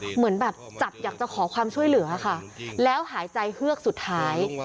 เหมือนแบบจับอยากจะขอความช่วยเหลือค่ะแล้วหายใจเฮือกสุดท้าย